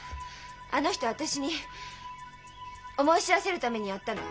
あの人私に思い知らせるためにやったの。